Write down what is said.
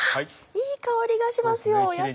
いい香りがしますよ野菜の。